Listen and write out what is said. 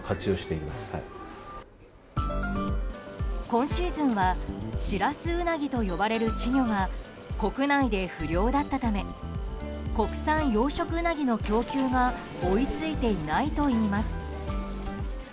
今シーズンはシラスウナギと呼ばれる稚魚が国内で不漁だったため国産養殖ウナギの供給が追い付いていないといいます。